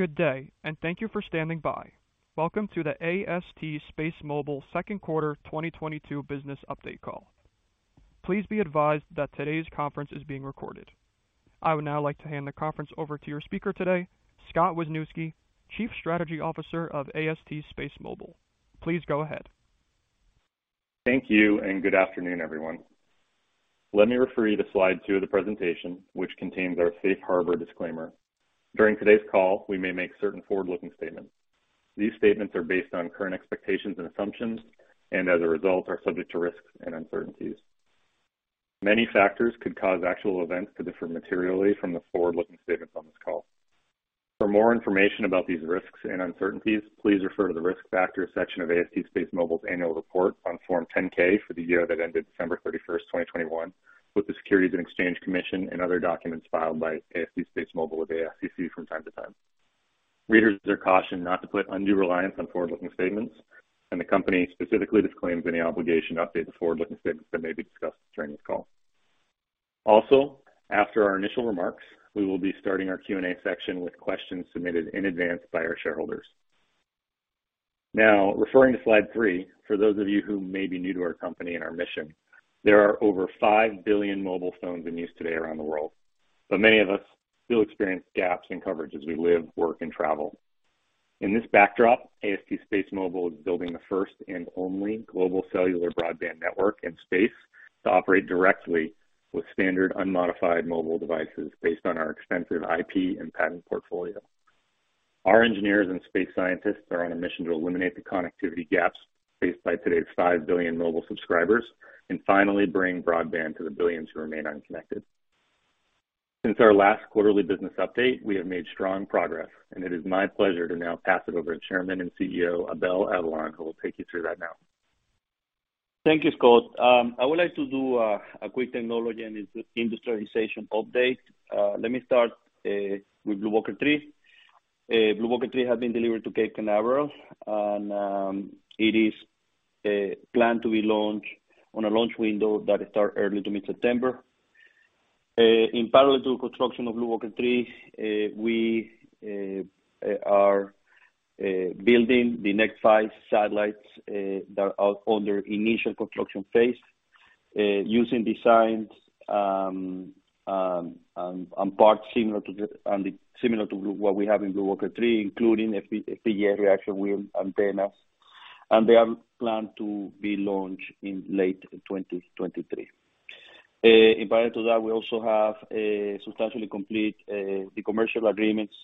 Good day, and thank you for standing by. Welcome to the AST SpaceMobile second quarter 2022 business update call. Please be advised that today's conference is being recorded. I would now like to hand the conference over to your speaker today, Scott Wisniewski, Chief Strategy Officer of AST SpaceMobile. Please go ahead. Thank you, and good afternoon, everyone. Let me refer you to slide two of the presentation, which contains our safe harbor disclaimer. During today's call, we may make certain forward-looking statements. These statements are based on current expectations and assumptions, and as a result, are subject to risks and uncertainties. Many factors could cause actual events to differ materially from the forward-looking statements on this call. For more information about these risks and uncertainties, please refer to the Risk Factors section of AST SpaceMobile's annual report on Form 10-K for the year that ended December 31, 2021, with the Securities and Exchange Commission and other documents filed by AST SpaceMobile with the SEC from time to time. Readers are cautioned not to put undue reliance on forward-looking statements, and the company specifically disclaims any obligation to update the forward-looking statements that may be discussed during this call. Also, after our initial remarks, we will be starting our Q&A section with questions submitted in advance by our shareholders. Now, referring to slide three, for those of you who may be new to our company and our mission, there are over 5 billion mobile phones in use today around the world, but many of us still experience gaps in coverage as we live, work, and travel. In this backdrop, AST SpaceMobile is building the first and only global cellular broadband network in space to operate directly with standard unmodified mobile devices based on our extensive IP and patent portfolio. Our engineers and space scientists are on a mission to eliminate the connectivity gaps faced by today's five billion mobile subscribers and finally bring broadband to the billions who remain unconnected. Since our last quarterly business update, we have made strong progress, and it is my pleasure to now pass it over to Chairman and CEO Abel Avellan, who will take you through that now. Thank you, Scott. I would like to do a quick technology and industrialization update. Let me start with BlueWalker 3. BlueWalker 3 has been delivered to Cape Canaveral and it is planned to be launched on a launch window that start early to mid-September. In parallel to construction of BlueWalker 3, we are building the next five satellites that are under initial construction phase, using designs and parts similar to what we have in BlueWalker 3, including phased array antennas, and they are planned to be launched in late 2023. In parallel to that, we also have substantially complete the commercial agreements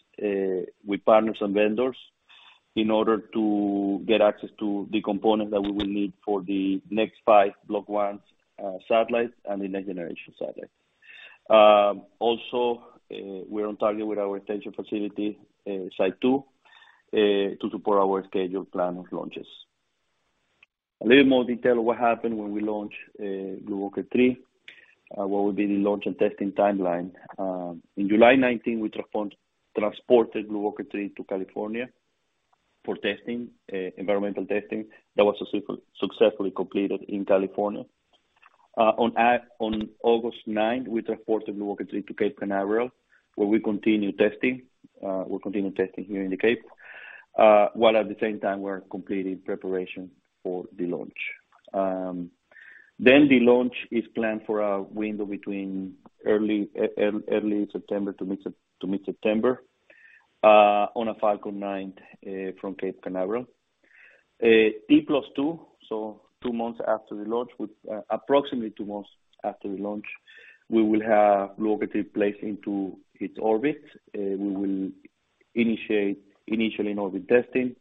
with partners and vendors in order to get access to the components that we will need for the next five Block 1 satellites and the next generation satellite. Also, we're on target with our extension facility site 2 to support our scheduled plan of launches. A little more detail of what happened when we launched BlueWalker 3, what will be the launch and testing timeline. In July 2019, we transported BlueWalker 3 to California for testing, environmental testing. That was successfully completed in California. On August 9, we transported BlueWalker 3 to Cape Canaveral, where we continue testing. We'll continue testing here in the Cape while at the same time we're completing preparation for the launch. The launch is planned for a window between early September to mid-September on a Falcon 9 from Cape Canaveral. T plus two, so two months after the launch with approximately two months after the launch, we will have BlueWalker3 placed into its orbit. We will initiate initial in-orbit testing.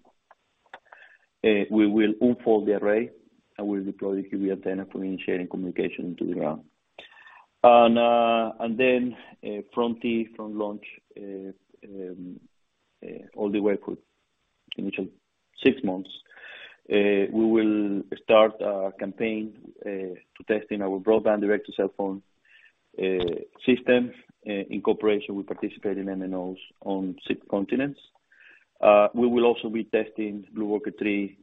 We will unfold the array and we'll deploy the Ku-band antenna for initiating communication to the ground. From launch all the way through initial six months, we will start our campaign to testing our broadband direct-to-cell system in cooperation with participating MNOs on six continents. We will also be testing BlueWalker3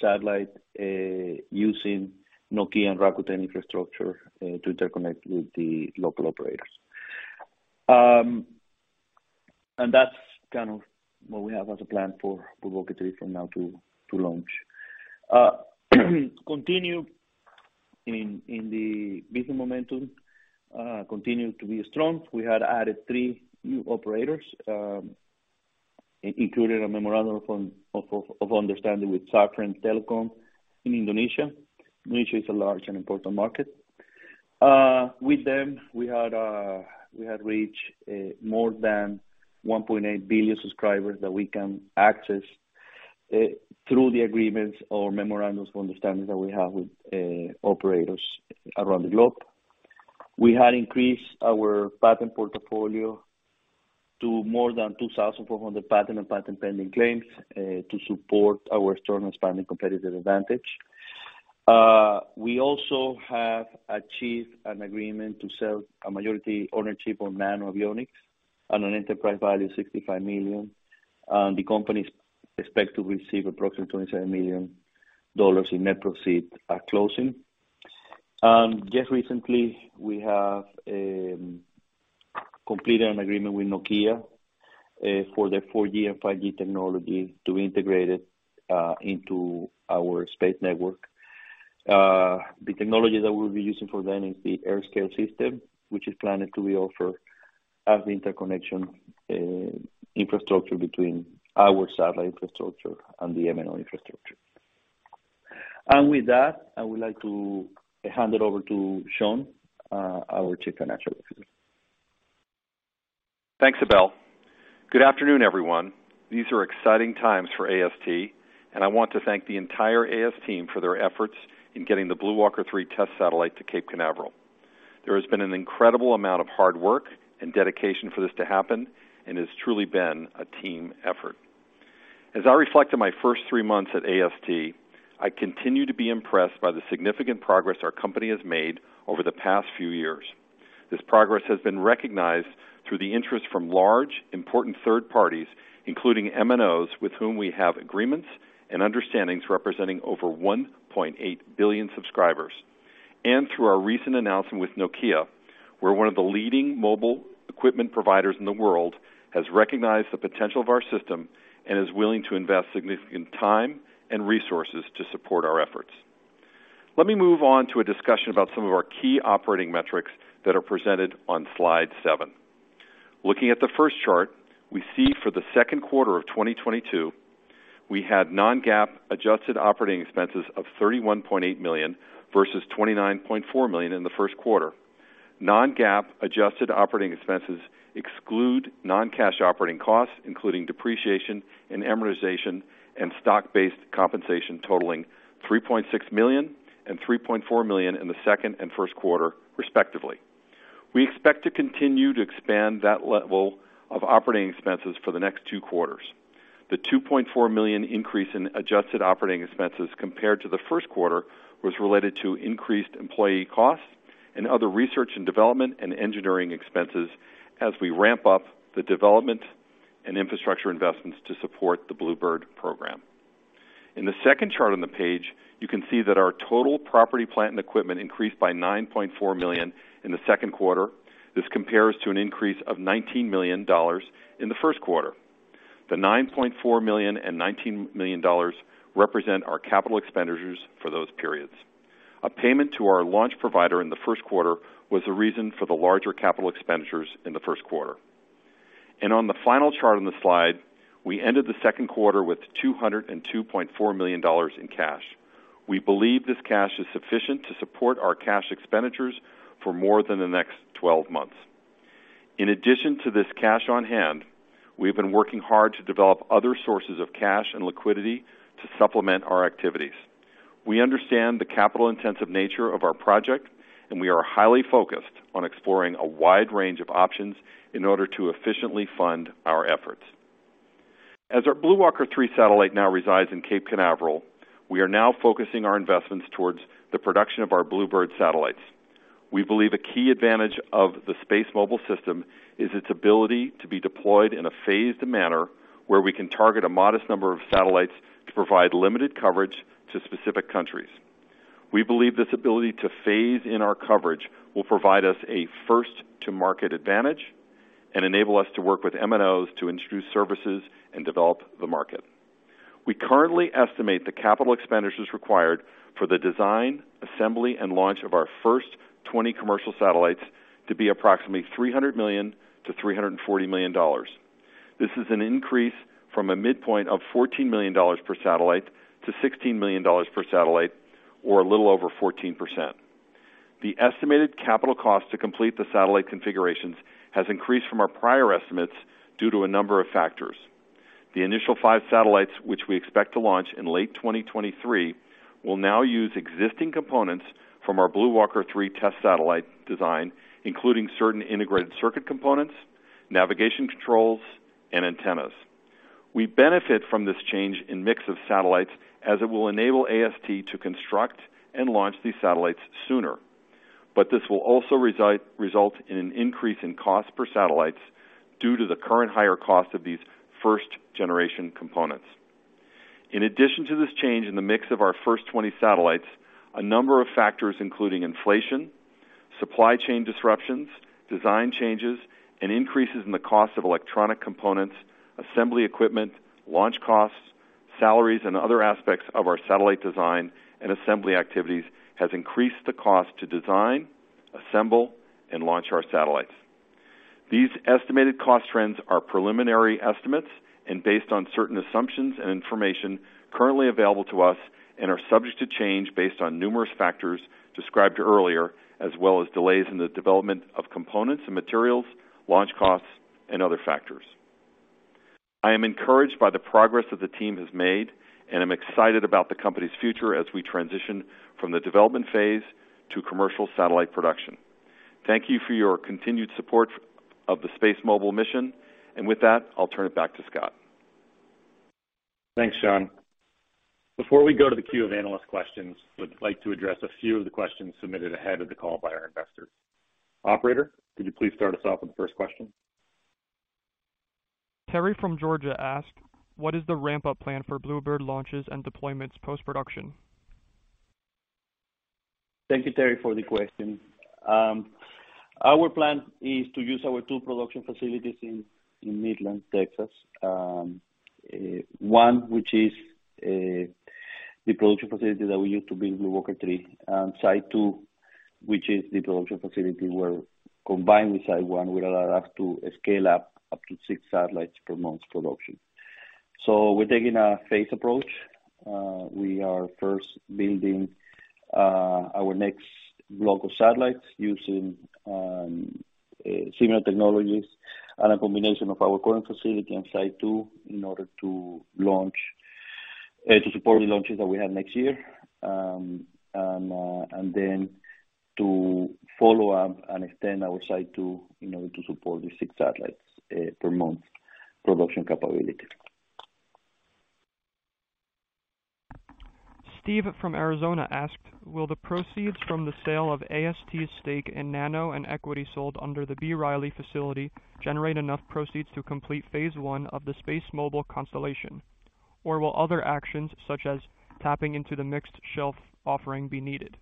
satellite using Nokia and Rakuten infrastructure to interconnect with the local operators. That's kind of what we have as a plan for BlueWalker 3 from now to launch. Continue the business momentum, continue to be strong. We had added three new operators, including a memorandum of understanding with Smartfren Telecom in Indonesia. Indonesia is a large and important market. With them, we had reached more than 1.8 billion subscribers that we can access through the agreements or memorandums of understanding that we have with operators around the globe. We had increased our patent portfolio to more than 2,400 patent and patent pending claims to support our strong expanding competitive advantage. We also have achieved an agreement to sell a majority ownership in NanoAvionics at an enterprise value of $65 million. The company expects to receive approximately $27 million in net proceeds at closing. Just recently we have completed an agreement with Nokia for their 4G and 5G technology to integrate it into our space network. The technology that we'll be using for them is the AirScale system, which is planned to be offered as the interconnection infrastructure between our satellite infrastructure and the MNO infrastructure. With that, I would like to hand it over to Sean, our Chief Financial Officer. Thanks, Abel. Good afternoon, everyone. These are exciting times for AST, and I want to thank the entire AST team for their efforts in getting the BlueWalker 3 test satellite to Cape Canaveral. There has been an incredible amount of hard work and dedication for this to happen, and it has truly been a team effort. As I reflect on my first three months at AST, I continue to be impressed by the significant progress our company has made over the past few years. This progress has been recognized through the interest from large, important third parties, including MNOs with whom we have agreements and understandings representing over 1.8 billion subscribers. Through our recent announcement with Nokia, where one of the leading mobile equipment providers in the world has recognized the potential of our system and is willing to invest significant time and resources to support our efforts. Let me move on to a discussion about some of our key operating metrics that are presented on slide seven. Looking at the first chart, we see for the second quarter of 2022, we had non-GAAP adjusted operating expenses of $31.8 million versus $29.4 million in the first quarter. Non-GAAP adjusted operating expenses exclude non-cash operating costs, including depreciation and amortization and stock-based compensation totaling $3.6 million and $3.4 million in the second and first quarter, respectively. We expect to continue to expand that level of operating expenses for the next two quarters. The $2.4 million increase in adjusted operating expenses compared to the first quarter was related to increased employee costs and other research and development and engineering expenses as we ramp up the development and infrastructure investments to support the BlueBird program. In the second chart on the page, you can see that our total property, plant and equipment increased by $9.4 million in the second quarter. This compares to an increase of $19 million in the first quarter. The $9.4 million and $19 million represent our capital expenditures for those periods. A payment to our launch provider in the first quarter was the reason for the larger capital expenditures in the first quarter. On the final chart on the slide, we ended the second quarter with $202.4 million in cash. We believe this cash is sufficient to support our cash expenditures for more than the next 12 months. In addition to this cash on hand, we have been working hard to develop other sources of cash and liquidity to supplement our activities. We understand the capital-intensive nature of our project, and we are highly focused on exploring a wide range of options in order to efficiently fund our efforts. As our BlueWalker 3 satellite now resides in Cape Canaveral, we are now focusing our investments towards the production of our BlueBird satellites. We believe a key advantage of the SpaceMobile system is its ability to be deployed in a phased manner where we can target a modest number of satellites to provide limited coverage to specific countries. We believe this ability to phase in our coverage will provide us a first-to-market advantage and enable us to work with MNOs to introduce services and develop the market. We currently estimate the capital expenditures required for the design, assembly, and launch of our first 20 commercial satellites to be approximately $300 million-$340 million. This is an increase from a midpoint of $14 million per satellite to $16 million per satellite, or a little over 14%. The estimated capital cost to complete the satellite configurations has increased from our prior estimates due to a number of factors. The initial 5 satellites, which we expect to launch in late 2023, will now use existing components from our BlueWalker 3 test satellite design, including certain integrated circuit components, navigation controls, and antennas. We benefit from this change in mix of satellites as it will enable AST to construct and launch these satellites sooner. This will also result in an increase in cost per satellites due to the current higher cost of these first-generation components. In addition to this change in the mix of our first 20 satellites, a number of factors, including inflation, supply chain disruptions, design changes, and increases in the cost of electronic components, assembly equipment, launch costs, salaries, and other aspects of our satellite design and assembly activities, has increased the cost to design, assemble, and launch our satellites. These estimated cost trends are preliminary estimates and based on certain assumptions and information currently available to us and are subject to change based on numerous factors described earlier, as well as delays in the development of components and materials, launch costs, and other factors. I am encouraged by the progress that the team has made, and I'm excited about the company's future as we transition from the development phase to commercial satellite production. Thank you for your continued support of the SpaceMobile mission. With that, I'll turn it back to Scott. Thanks, Sean. Before we go to the queue of analyst questions, I would like to address a few of the questions submitted ahead of the call by our investors. Operator, could you please start us off with the first question? Terry from Georgia asked, "What is the ramp-up plan for BlueBird launches and deployments post-production? Thank you, Terry, for the question. Our plan is to use our two production facilities in Midland, Texas. One, which is the production facility that we use to build BlueWalker 3. Site two, which is the production facility where, combined with site one, will allow us to scale up to six satellites per month production. We're taking a phased approach. We are first building our next block of satellites using similar technologies and a combination of our current facility and site two in order to support the launches that we have next year. To follow up and extend our site two in order to support the six satellites per month production capability. Steve from Arizona asked, "Will the proceeds from the sale of AST's stake in NanoAvionics and equity sold under the B. Riley facility generate enough proceeds to complete phase one of the SpaceMobile constellation? Or will other actions such as tapping into the mixed shelf offering be needed?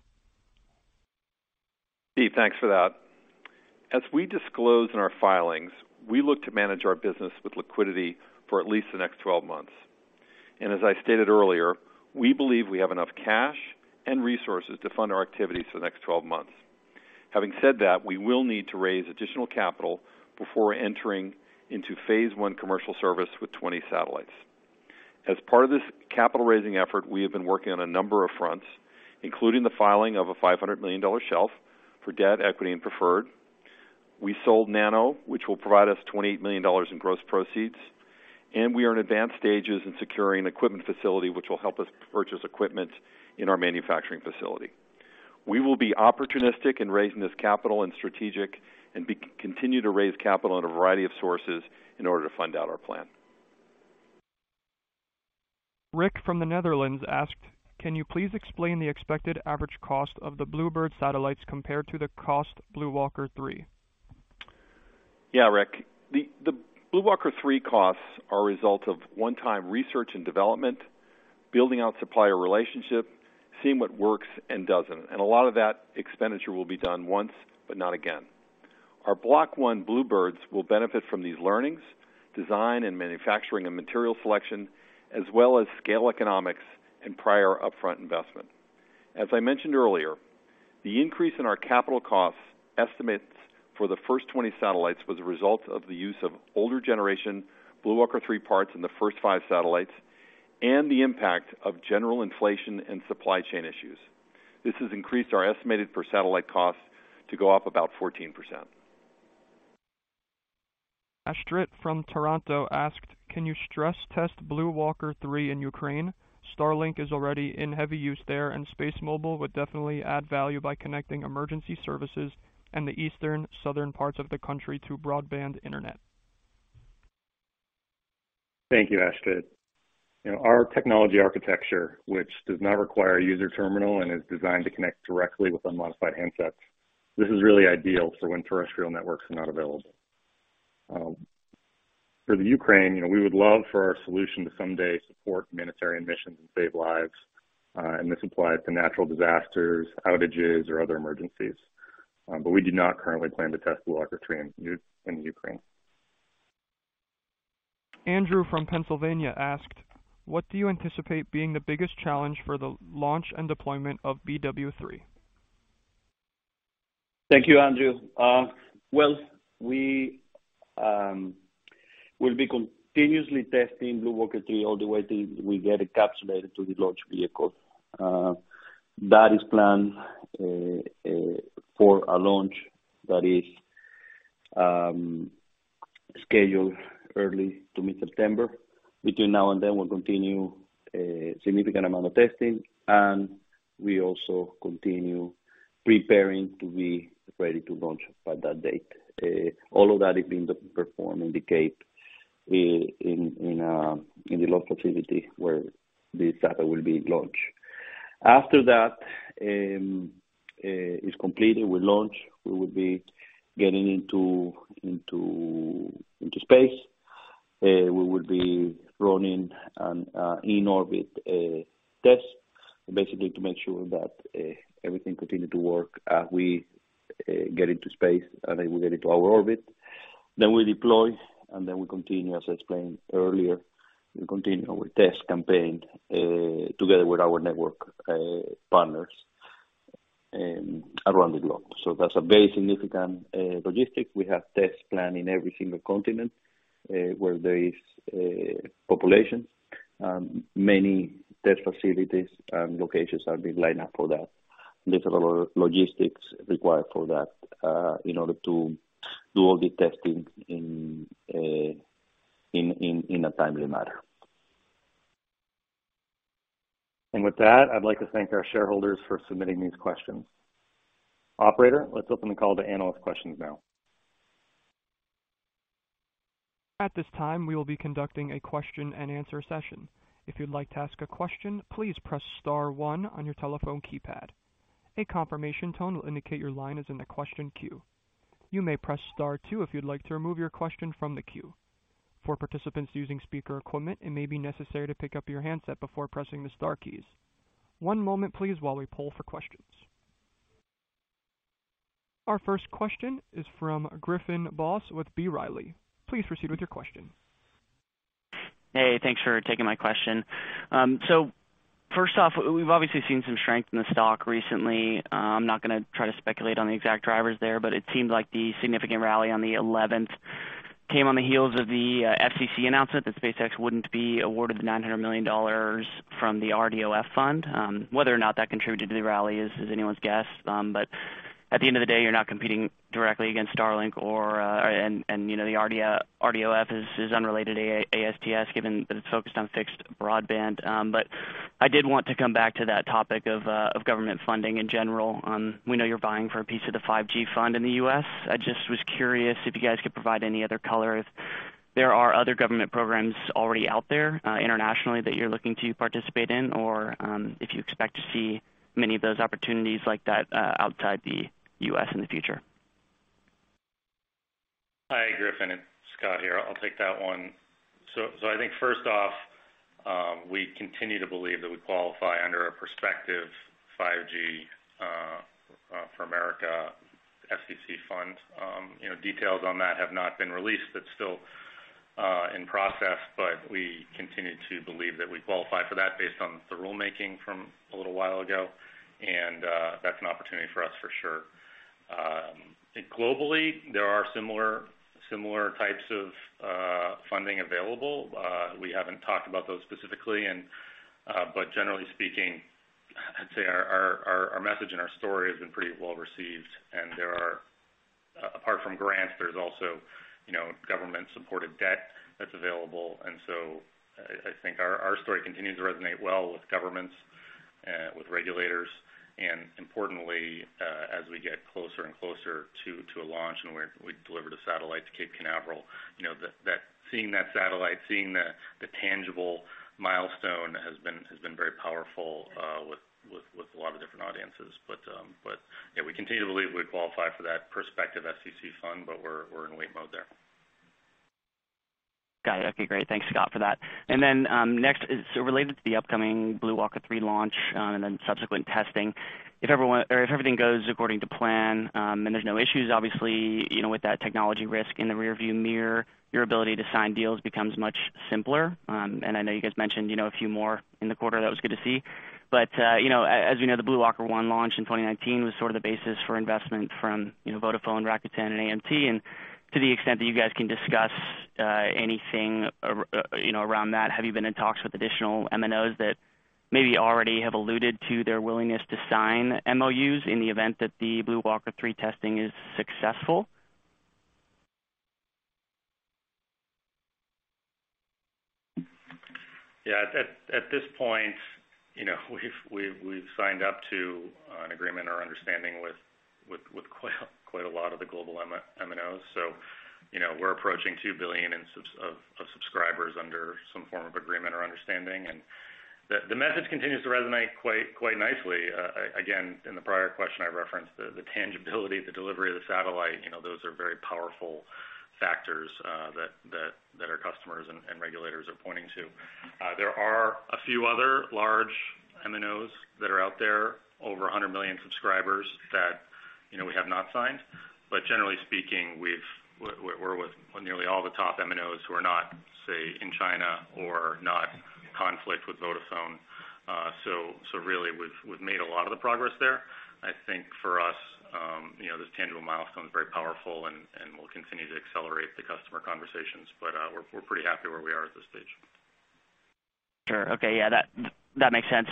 Steve, thanks for that. As we disclose in our filings, we look to manage our business with liquidity for at least the next 12 months. As I stated earlier, we believe we have enough cash and resources to fund our activities for the next 12 months. Having said that, we will need to raise additional capital before entering into phase one commercial service with 20 satellites. As part of this capital raising effort, we have been working on a number of fronts, including the filing of a $500 million shelf for debt, equity, and preferred. We sold NanoAvionics, which will provide us $28 million in gross proceeds, and we are in advanced stages in securing an equipment facility which will help us purchase equipment in our manufacturing facility. We will be opportunistic in raising this capital and strategic, and continue to raise capital in a variety of sources in order to fund our plan. Rick from the Netherlands asked, "Can you please explain the expected average cost of the BlueBird satellites compared to the cost BlueWalker 3? Yeah, Rick. The BlueWalker 3 costs are a result of one-time research and development, building out supplier relationship, seeing what works and doesn't. A lot of that expenditure will be done once, but not again. Our Block 1 BlueBirds will benefit from these learnings, design and manufacturing and material selection, as well as scale economics and prior upfront investment. As I mentioned earlier, the increase in our capital costs estimates for the first 20 satellites was a result of the use of older generation BlueWalker 3 parts in the first five satellites and the impact of general inflation and supply chain issues. This has increased our estimated per satellite costs to go up about 14%. Astrid from Toronto asked, "Can you stress test BlueWalker 3 in Ukraine? Starlink is already in heavy use there, and SpaceMobile would definitely add value by connecting emergency services and the eastern, southern parts of the country to broadband internet. Thank you, Astrid. You know, our technology architecture, which does not require a user terminal and is designed to connect directly with unmodified handsets, this is really ideal for when terrestrial networks are not available. For the Ukraine, you know, we would love for our solution to someday support humanitarian missions and save lives. This applies to natural disasters, outages or other emergencies. We do not currently plan to test BlueWalker 3 in the Ukraine. Andrew from Pennsylvania asked, "What do you anticipate being the biggest challenge for the launch and deployment of BW3? Thank you, Andrew. We will be continuously testing BlueWalker 3 all the way till we get encapsulated to the launch vehicle. That is planned for a launch that is scheduled early to mid-September. Between now and then, we'll continue a significant amount of testing, and we also continue preparing to be ready to launch by that date. All of that is being performed in the Cape in the launch facility where the satellite will be launched. After that is completed, we launch. We will be getting into space. We will be running an in-orbit test, basically to make sure that everything continue to work as we get into space and then we get into our orbit. We deploy, and then we continue, as I explained earlier, our test campaign together with our network partners around the globe. That's a very significant logistics. We have tests planned in every single continent where there is population. Many test facilities and locations are being lined up for that. There's a lot of logistics required for that in order to do all the testing in a timely manner. With that, I'd like to thank our shareholders for submitting these questions. Operator, let's open the call to analyst questions now. At this time, we will be conducting a question and answer session. If you'd like to ask a question, please press star one on your telephone keypad. A confirmation tone will indicate your line is in the question queue. You may press star two if you'd like to remove your question from the queue. For participants using speaker equipment, it may be necessary to pick up your handset before pressing the star keys. One moment please while we poll for questions. Our first question is from Griffin Boss with B. Riley, please proceed with your question. Hey, thanks for taking my question. So first off, we've obviously seen some strength in the stock recently. I'm not gonna try to speculate on the exact drivers there, but it seemed like the significant rally on the eleventh came on the heels of the FCC announcement that SpaceX wouldn't be awarded $900 million from the RDOF fund. Whether or not that contributed to the rally is anyone's guess. At the end of the day, you're not competing directly against Starlink. You know, the RDOF is unrelated to ASTS, given that it's focused on fixed broadband. I did want to come back to that topic of government funding in general. We know you're vying for a piece of the 5G fund in the U.S. I just was curious if you guys could provide any other color if there are other government programs already out there internationally that you're looking to participate in or if you expect to see many of those opportunities like that outside the U.S in the future. Hi, Griffin. It's Scott here. I'll take that one. I think first off, we continue to believe that we qualify under a prospective 5G Fund for Rural America. You know, details on that have not been released. That's still in process, but we continue to believe that we qualify for that based on the rulemaking from a little while ago, and that's an opportunity for us for sure. I think globally there are similar types of funding available. We haven't talked about those specifically and but generally speaking, I'd say our message and our story has been pretty well received. Apart from grants, there's also, you know, government supported debt that's available. I think our story continues to resonate well with governments, with regulators, and importantly, as we get closer and closer to a launch, we delivered a satellite to Cape Canaveral. You know, seeing that satellite, seeing the tangible milestone has been very powerful with a lot of different audiences. Yeah, we continue to believe we qualify for that prospective FCC fund, but we're in wait mode there. Got it. Okay, great. Thanks, Scott, for that. Next is so related to the upcoming BlueWalker 3 launch, and then subsequent testing. If everything goes according to plan, and there's no issues, obviously, you know, with that technology risk in the rearview mirror, your ability to sign deals becomes much simpler. I know you guys mentioned, you know, a few more in the quarter. That was good to see. You know, as we know, the BlueWalker 1 launch in 2019 was sort of the basis for investment from, you know, Vodafone, Rakuten and American Tower. To the extent that you guys can discuss anything. You know, around that, have you been in talks with additional MNOs that maybe already have alluded to their willingness to sign MOUs in the event that the BlueWalker 3 testing is successful? At this point, you know, we've signed up to an agreement or understanding with quite a lot of the global MNOs. You know, we're approaching 2 billion subscribers under some form of agreement or understanding. The message continues to resonate quite nicely. Again, in the prior question, I referenced the tangibility, the delivery of the satellite. You know, those are very powerful factors that our customers and regulators are pointing to. There are a few other large MNOs that are out there, over 100 million subscribers that, you know, we have not signed. Generally speaking, we're with nearly all the top MNOs who are not, say, in China or in conflict with Vodafone. really we've made a lot of the progress there. I think for us, you know, this tangible milestone is very powerful and will continue to accelerate the customer conversations. We're pretty happy where we are at this stage. Sure. Okay. Yeah, that makes sense.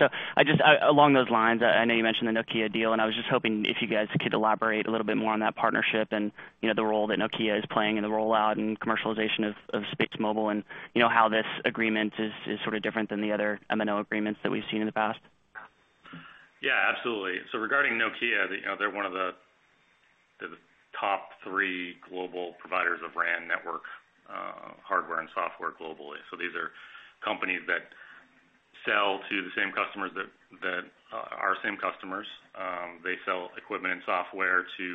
Along those lines, I know you mentioned the Nokia deal, and I was just hoping if you guys could elaborate a little bit more on that partnership and, you know, the role that Nokia is playing in the rollout and commercialization of SpaceMobile and, you know, how this agreement is sort of different than the other MNO agreements that we've seen in the past. Yeah, absolutely. Regarding Nokia, you know, they're one of the top three global providers of RAN network hardware and software globally. These are companies that sell to the same customers that our same customers. They sell equipment and software to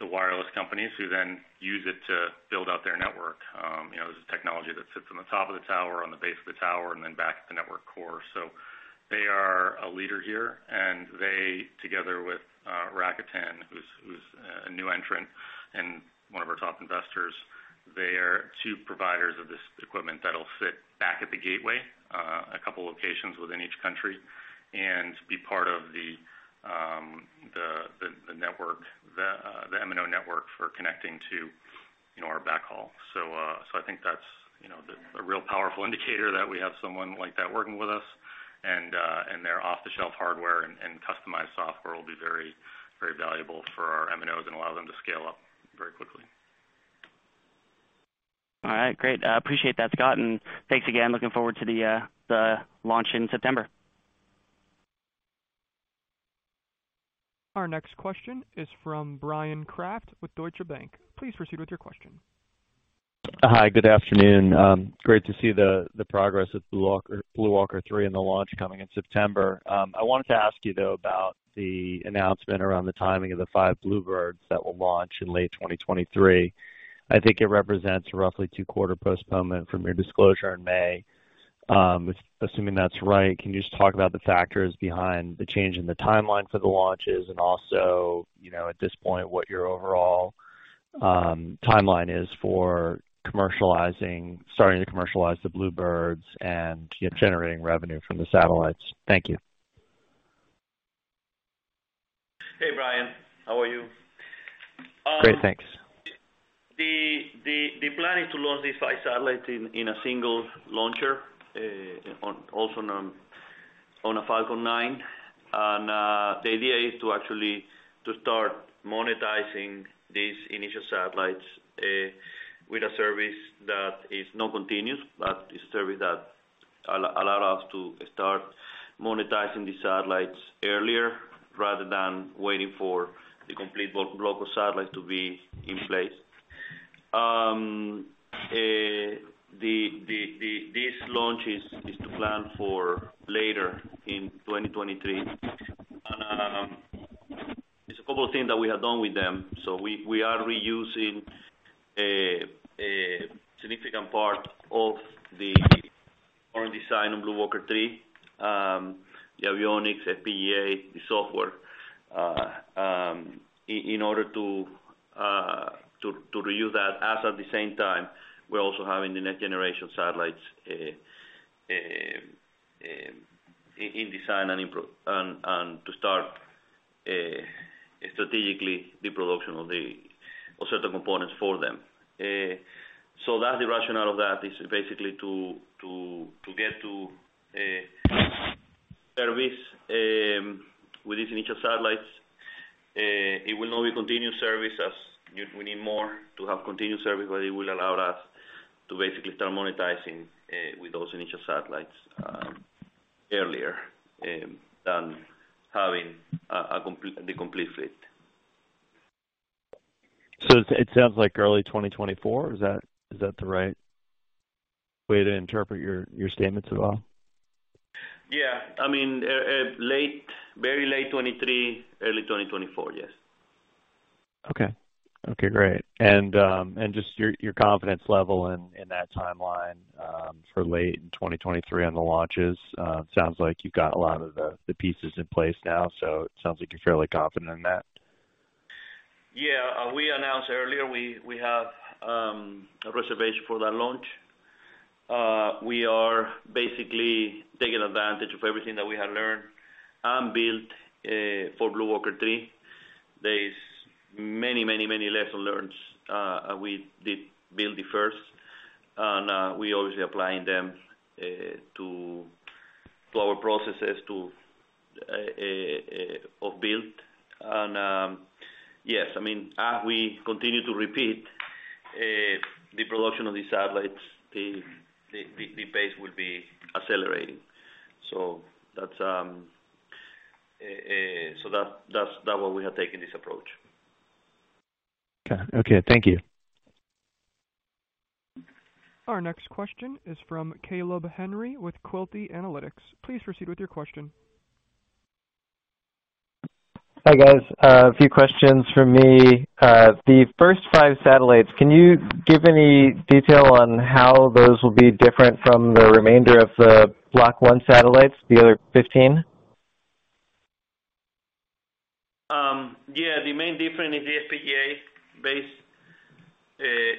the wireless companies who then use it to build out their network. You know, there's a technology that sits on the top of the tower, on the base of the tower, and then back at the network core. They are a leader here, and they together with Rakuten, who's a new entrant and one of our top investors, they're two providers of this equipment that'll sit back at the gateway, a couple locations within each country and be part of the MNO network for connecting to, you know, our backhaul. I think that's, you know, a real powerful indicator that we have someone like that working with us. Their off-the-shelf hardware and customized software will be very, very valuable for our MNOs and allow them to scale up very quickly. All right, great. I appreciate that, Scott, and thanks again. Looking forward to the launch in September. Our next question is from Bryan Kraft with Deutsche Bank, please proceed with your question. Hi, good afternoon. Great to see the progress of BlueWalker 3 and the launch coming in September. I wanted to ask you though, about the announcement around the timing of the five BlueBirds that will launch in late 2023. I think it represents roughly two-quarter postponement from your disclosure in May. Assuming that's right, can you just talk about the factors behind the change in the timeline for the launches and also, you know, at this point, what your overall timeline is for commercializing, starting to commercialize the BlueBirds and, you know, generating revenue from the satellites. Thank you. Hey, Bryan. How are you? Great, thanks. The plan is to launch these five satellites in a single launcher on a Falcon 9. The idea is to actually start monetizing these initial satellites with a service that is not continuous, but a service that allows us to start monetizing the satellites earlier rather than waiting for the complete block of satellites to be in place. This launch is to plan for later in 2023. There's a couple of things that we have done with them. We are reusing a significant part of the current design on BlueWalker 3, the avionics, FPGA, the software, in order to reuse that. At the same time, we're also having the next generation satellites in design and to start strategically the production of certain components for them. That's the rationale of that is basically to get to a service with these initial satellites. It will not be continuous service as we need more to have continuous service, but it will allow us to basically start monetizing with those initial satellites earlier than having the complete fleet. It sounds like early 2024. Is that the right way to interpret your statements at all? Yeah. I mean, very late 2023, early 2024. Yes. Okay. Okay, great. Just your confidence level in that timeline for late in 2023 on the launches. Sounds like you've got a lot of the pieces in place now, so it sounds like you're fairly confident in that. Yeah. We announced earlier we have a reservation for that launch. We are basically taking advantage of everything that we have learned and built for BlueWalker 3. There are many lessons learned, we built the first, and we're obviously applying them to our build processes. Yes, I mean, as we continue to repeat the production of these satellites, the pace will be accelerating. That's why we have taken this approach. Okay. Okay, thank you. Our next question is from Caleb Henry with Quilty Analytics, please proceed with your question. Hi, guys. A few questions from me. The first five satellites, can you give any detail on how those will be different from the remainder of the Block 1 satellites, the other 15? Yeah, the main difference is the FPGA base. There's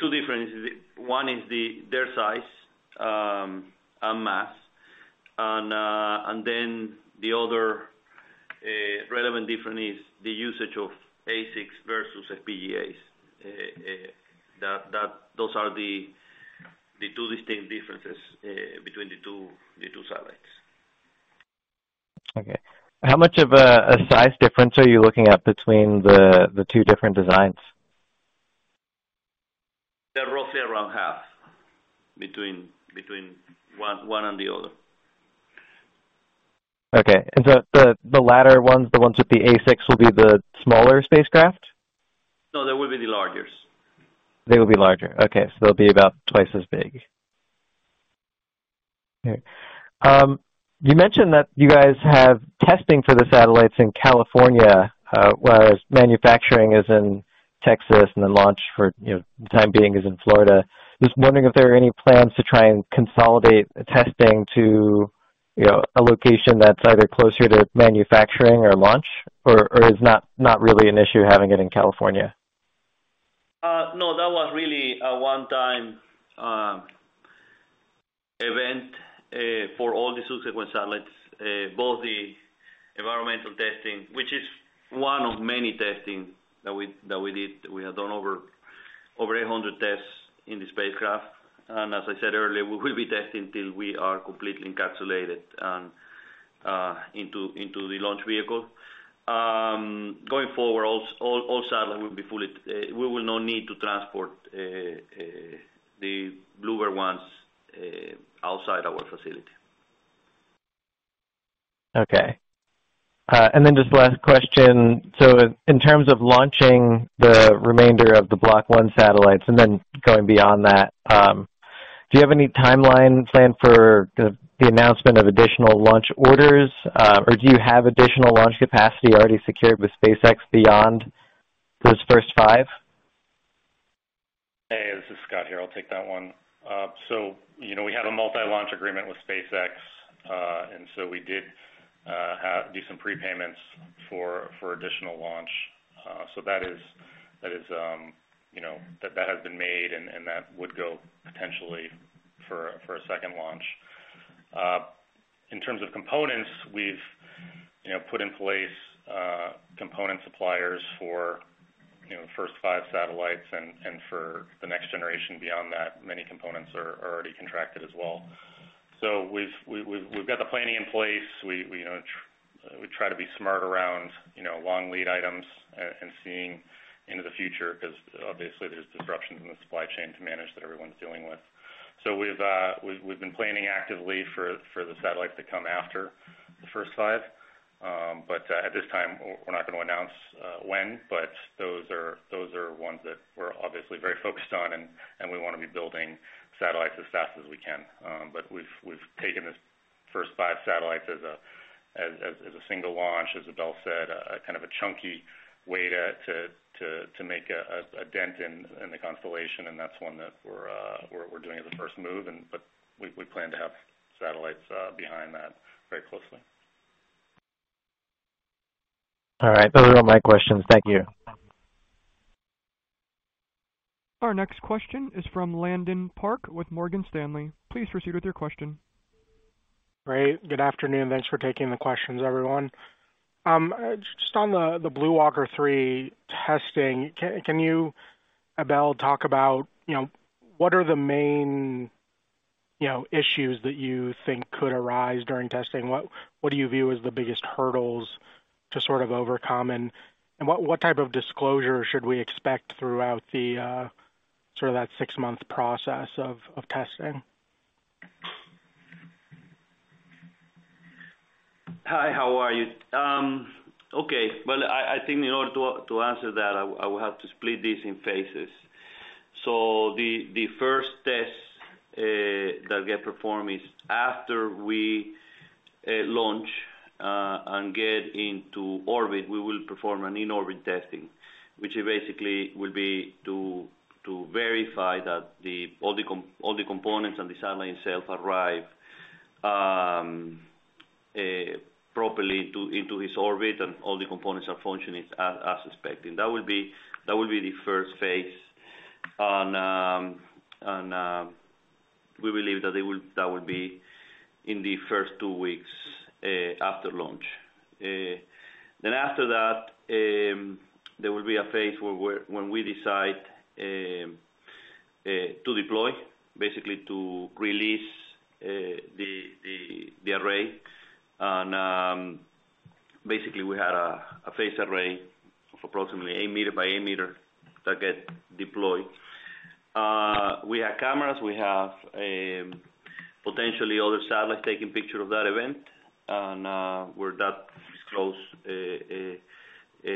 two differences. One is their size and mass. The other relevant difference is the usage of ASICs versus FPGAs. Those are the two distinct differences between the two satellites. Okay. How much of a size difference are you looking at between the two different designs? They're roughly around half between one and the other. Okay. The latter ones, the ones with the ASICs will be the smaller spacecraft? No, they will be the largest. They will be larger. Okay. So they'll be about twice as big. Okay. You mentioned that you guys have testing for the satellites in California, whereas manufacturing is in Texas and then launch for, you know, time being is in Florida. Just wondering if there are any plans to try and consolidate testing to, you know, a location that's either closer to manufacturing or launch or is not really an issue having it in California? No, that was really a one-time event for all the subsequent satellites. Both the environmental testing, which is one of many testing that we did. We have done over 800 tests in the spacecraft. As I said earlier, we will be testing till we are completely encapsulated and into the launch vehicle. Going forward, we will not need to transport the BlueBird ones outside our facility. Okay. Just last question. In terms of launching the remainder of the Block 1 satellites and then going beyond that, do you have any timeline plan for the announcement of additional launch orders? Or do you have additional launch capacity already secured with SpaceX beyond those first five? Hey, this is Scott here. I'll take that one. You know, we have a multi-launch agreement with SpaceX. We did have to do some prepayments for additional launch. That has been made, and that would go potentially for a second launch. In terms of components, we've put in place component suppliers for the first five satellites and for the next generation beyond that, many components are already contracted as well. We've got the planning in place. We try to be smart around long lead items and seeing into the future 'cause obviously there's disruptions in the supply chain to manage that everyone's dealing with. We've been planning actively for the satellites that come after the first five. At this time, we're not gonna announce when, but those are ones that we're obviously very focused on and we wanna be building satellites as fast as we can. We've taken the first five satellites as a single launch, as Abel said, a kind of a chunky way to make a dent in the constellation. That's one that we're doing as a first move. We plan to have satellites behind that very closely. All right. Those are all my questions. Thank you. Our next question is from Landon Park with Morgan Stanley. Please proceed with your question. Great. Good afternoon. Thanks for taking the questions, everyone. Just on the BlueWalker 3 testing, can you, Abel, talk about, you know, what are the main, you know, issues that you think could arise during testing? What do you view as the biggest hurdles to sort of overcome? What type of disclosure should we expect throughout the sort of that six-month process of testing? Hi, how are you? Okay. Well, I think in order to answer that, I will have to split this in phases. The first test that get performed is after we launch and get into orbit, we will perform an in-orbit testing, which basically will be to verify that all the components and the satellite itself arrive properly into its orbit, and all the components are functioning as expected. That will be the first phase. We believe that will be in the first two weeks after launch. Then after that, there will be a phase where when we decide to deploy, basically to release the array. Basically, we had a phased array of approximately eight meter by eight meter that get deployed. We have cameras, we have potentially other satellites taking picture of that event. That disclosed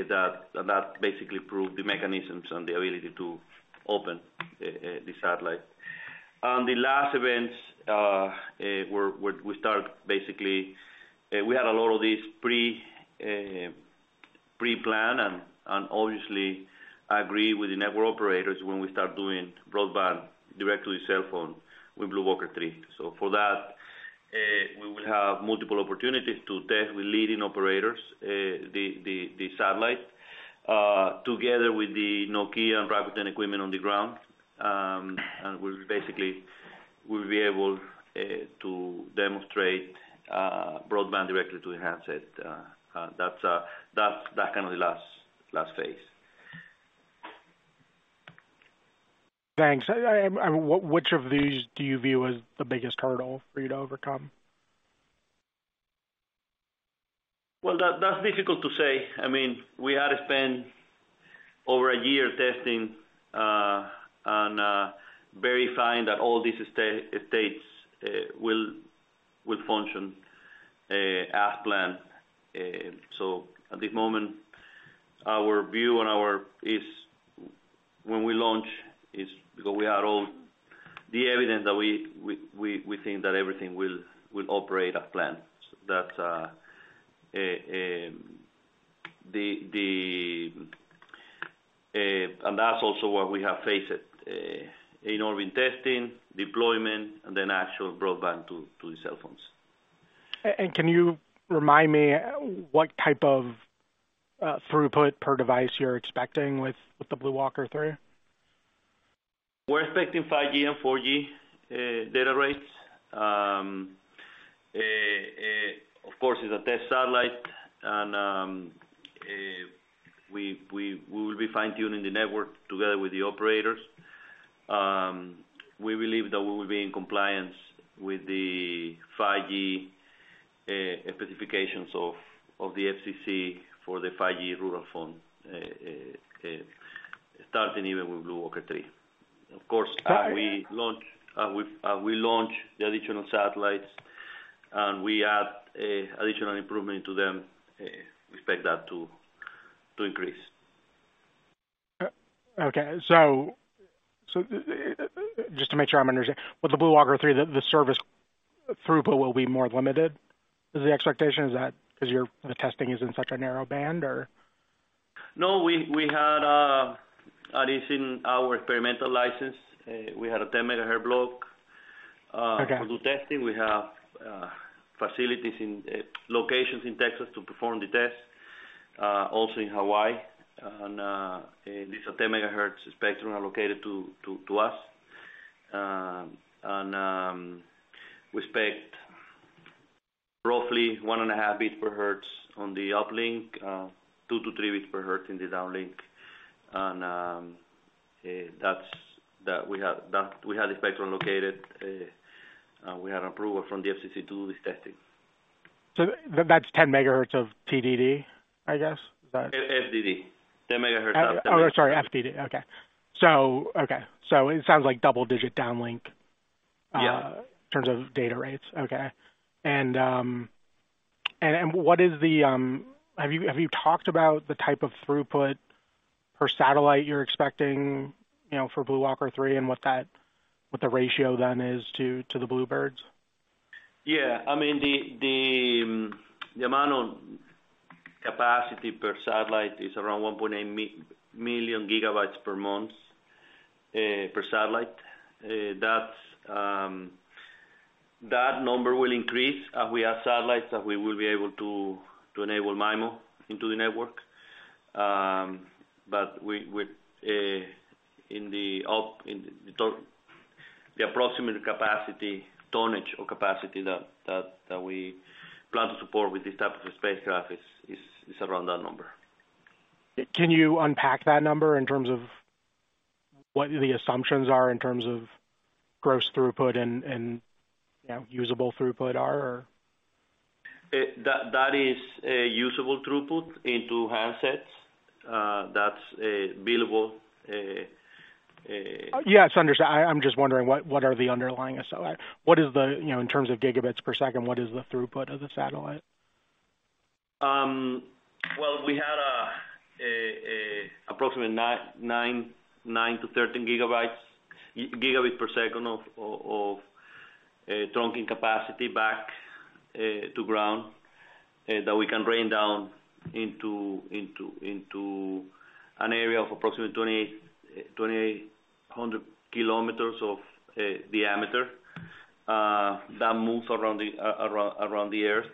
that basically proved the mechanisms and the ability to open the satellite. The last events where we start, basically, we had a lot of these pre-planned and obviously agree with the network operators when we start doing broadband directly to cell phone with BlueWalker 3. For that, we will have multiple opportunities to test with leading operators the satellite together with the Nokia and Rakuten equipment on the ground. We'll basically be able to demonstrate broadband directly to the handset. That's kinda the last phase. Thanks. Which of these do you view as the biggest hurdle for you to overcome? Well, that's difficult to say. I mean, we had to spend over a year testing and verifying that all these states will function as planned. At this moment, our view is that when we launch, we have all the evidence that we think everything will operate as planned. That's also what we have, phased in-orbit testing, deployment, and then actual broadband to the cell phones. Can you remind me what type of throughput per device you're expecting with the BlueWalker 3? We're expecting 5G and 4G data rates. Of course, it's a test satellite and we will be fine-tuning the network together with the operators. We believe that we will be in compliance with the 5G specifications of the FCC for the 5G Rural Fund. Starting even with BlueWalker 3. Of course, as we launch the additional satellites and we add additional improvement to them, we expect that to increase. Okay. Just to make sure I'm understanding. With the BlueWalker 3, the service throughput will be more limited, is the expectation? Is that 'cause your testing is in such a narrow band or? No, we had at least in our experimental license, we had a 10 megahertz block. Okay. To do testing. We have facilities in locations in Texas to perform the test, also in Hawaii. This is a 10 MHz spectrum allocated to us. We expect roughly 1.5 bits per hertz on the uplink, two-three bits per hertz in the downlink. We have the spectrum located. We have approval from the FCC to do this testing. That's 10 megahertz of TDD, I guess? Is that- FDD. 10 MHz Oh, sorry, FDD. Okay. It sounds like double-digit downlink- Yeah. In terms of data rates. Okay. Have you talked about the type of throughput per satellite you're expecting, you know, for BlueWalker 3 and what the ratio then is to the BlueBirds? I mean, the amount of capacity per satellite is around 1.8 million GB per month per satellite. That number will increase as we add satellites that we will be able to enable MIMO into the network. The approximate capacity, tonnage or capacity that we plan to support with this type of spacecraft is around that number. Can you unpack that number in terms of what the assumptions are in terms of gross throughput and you know usable throughput are or? That is usable throughput into handsets. That's billable. I'm just wondering what, you know, in terms of gigabits per second, what is the throughput of the satellite? Well, we had approximately 9-13 gigabit per second of trunking capacity back to ground that we can bring down into an area of approximately 2,800 kilometers of diameter that moves around the earth.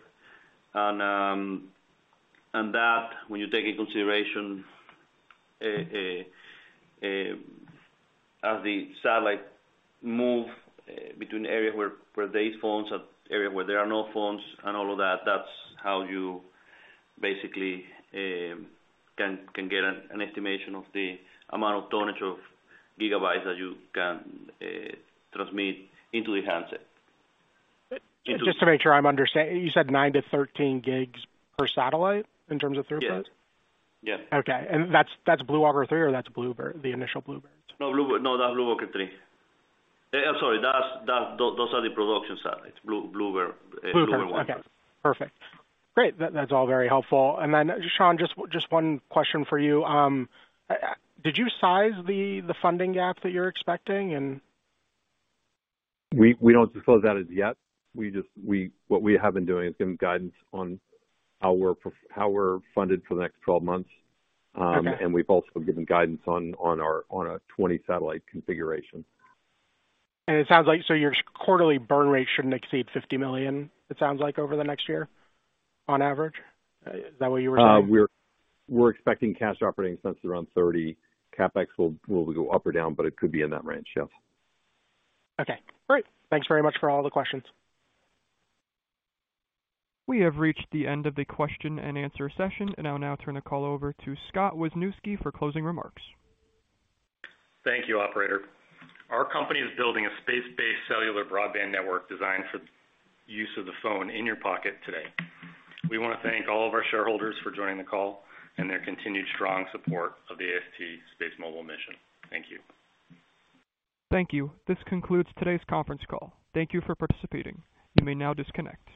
That when you take in consideration as the satellite move between areas where there is phones and area where there are no phones and all of that's how you basically can get an estimation of the amount of tonnage of gigabytes that you can transmit into the handset. Just to make sure I'm understanding. You said 9-13 gigs per satellite in terms of throughput? Yes. Yes. Okay. That's BlueWalker 3 or that's BlueBird, the initial BlueBird? That's BlueWalker 3. I'm sorry, those are the production satellites. BlueBird 1. BlueBird. Okay, perfect. Great. That's all very helpful. Then Sean, just one question for you. Did you size the funding gap that you're expecting and? We don't disclose that as yet. We just, what we have been doing is giving guidance on how we're funded for the next 12 months. Okay. We've also given guidance on our 20 satellite configuration. It sounds like, so your quarterly burn rate shouldn't exceed $50 million, it sounds like over the next year on average. Is that what you were saying? We're expecting cash operating expense around $30. CapEx will go up or down, but it could be in that range. Yes. Okay, great. Thanks very much for all the questions. We have reached the end of the question and answer session. I will now turn the call over to Scott Wisniewski for closing remarks. Thank you, operator. Our company is building a space-based cellular broadband network designed for use of the phone in your pocket today. We wanna thank all of our shareholders for joining the call and their continued strong support of the AST SpaceMobile mission, thank you. Thank you. This concludes today's conference call. Thank you for participating. You may now disconnect.